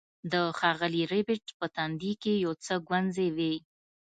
د ښاغلي ربیټ په تندي کې یو څه ګونځې وې